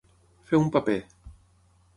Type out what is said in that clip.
Fer un paper.